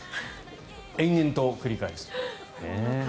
延々と繰り返すという。